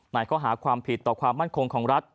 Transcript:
ในข้อหาความผิดต่อความมั่นคงของรัฐ